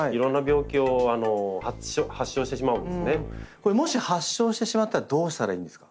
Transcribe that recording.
これもし発症してしまったらどうしたらいいんですか？